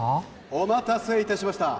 ・お待たせいたしました